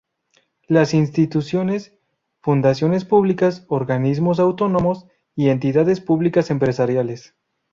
Las Instituciones: Fundaciones públicas, Organismos Autónomos y Entidades Públicas Empresariales.